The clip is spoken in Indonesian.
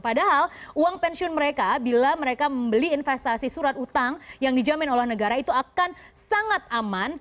padahal uang pensiun mereka bila mereka membeli investasi surat utang yang dijamin oleh negara itu akan sangat aman